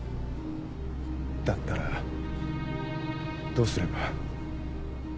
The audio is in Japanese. だったらどうすれば。